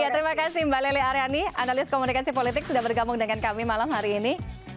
terima kasih mbak lely aryani analis komunikasi politik sudah bergabung dengan kami malam hari ini